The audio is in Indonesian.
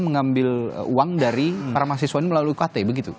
mengambil uang dari para mahasiswa ini melalui ukt begitu